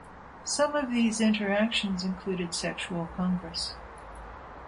Some of these interactions included sexual congress.